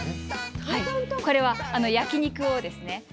これは焼き肉をですね